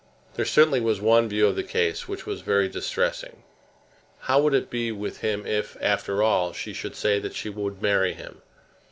There certainly was one view of the case which was very distressing. How would it be with him if, after all, she should say that she would marry him?